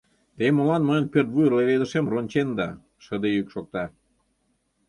— Те молан мыйын пӧрт вуй леведышем ронченда?! — шыде йӱк шокта.